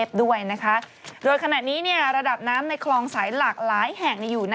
สองลูกอะ